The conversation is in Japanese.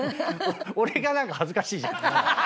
俺が何か恥ずかしいじゃん。